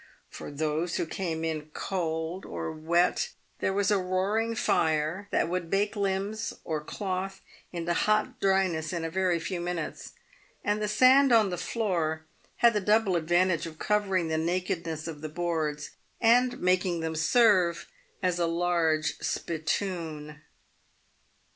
Por those who came in cold or wet there was a roaring fire, that would bake limbs or cloth into hot dryness in a very few minutes, and the sand on the floor had the double advantage of covering the nakedness of the boards and making them serve as a large spittoon.